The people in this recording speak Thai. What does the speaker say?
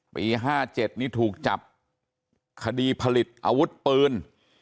ปี๕๗นี่ถูกจับคดีผลิตอาวุธปืน